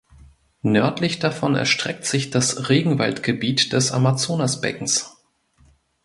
Nördlich davon erstreckt sich das Regenwaldgebiet des Amazonasbeckens.